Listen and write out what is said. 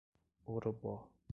Orobó